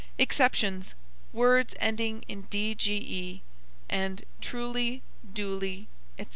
Exceptions words ending in dge, and truly, duly, etc.